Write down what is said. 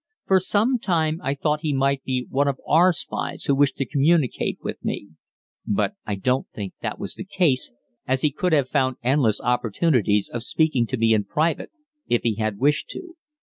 For some time I thought he might be one of our spies who wished to communicate with me; but I don't think that was the case, as he could have found endless opportunities of speaking to me in private if he had wished to.